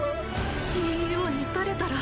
ＣＥＯにバレたら。